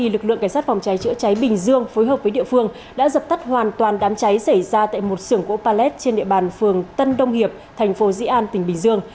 lực lượng cảnh sát phòng cháy chữa cháy bình dương phối hợp với địa phương đã dập tắt hoàn toàn đám cháy xảy ra tại một sưởng o palet trên địa bàn phường tân đông hiệp thành phố dĩ an tỉnh bình dương